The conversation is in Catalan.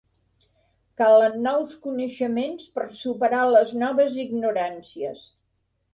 Calen nous coneixements per superar les noves ignoràncies.